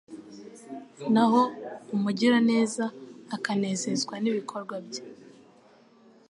naho umugiraneza akanezezwa n’ibikorwa bye